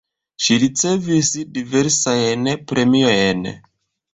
Ŝi ricevis diversajn premiojn.